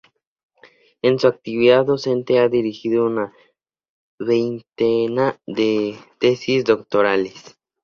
En su actividad docente ha dirigido una veintena de tesis doctorales.